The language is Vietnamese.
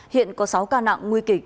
hiện có sáu ca nặng nguy kịch